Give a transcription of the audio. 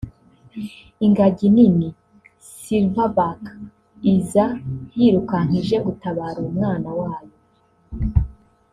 Ingagi nini [silverback] iza yirukanka ije gutabara umwana wayo